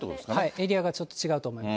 エリアがちょっと違うと思います。